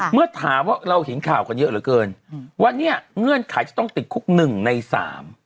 เมื่อถามว่าเราเห็นข่าวกันเยอะเหลือเกินอืมว่าเนี่ยเงื่อนไขจะต้องติดคุกหนึ่งในสาม